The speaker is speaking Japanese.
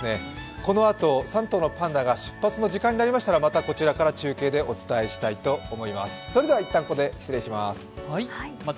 このあと、３頭のパンダが出発の時間になりましたらまたこちらから中継でお伝えしたいと思います。